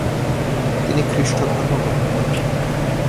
তিনি খ্রিষ্টধর্ম গ্রহণ করেন।